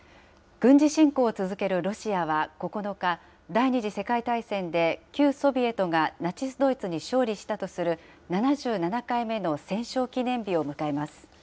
軍事侵攻を続けるロシアは９日、第２次世界大戦で旧ソビエトがナチス・ドイツに勝利したとする７７回目の戦勝記念日を迎えます。